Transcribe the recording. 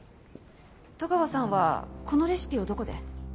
戸川さんはこのレシピをどこで？